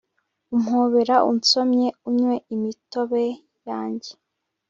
Umpobera unsome unywe imitobe yanjye